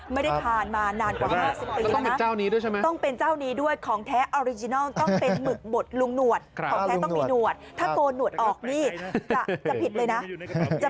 ไม่ได้ทานมานานกว่าเดี๋ยวนะฮะ